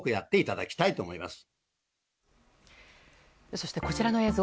そしてこちらの映像。